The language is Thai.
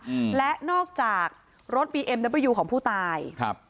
อืมและนอกจากรถบีเอ็มเดอร์ยูของผู้ตายครับ